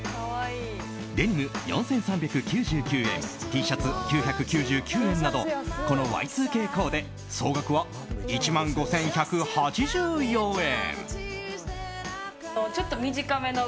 デニム、４３９９円Ｔシャツ、９９９円などこのＹ２Ｋコーデ総額は１万５１８４円。